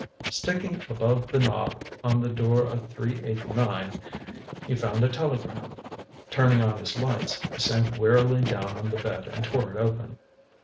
Sticking above the knob of the door of 389 he found a telegram. Turning on his lights, he sank wearily down on the bed and tore it open.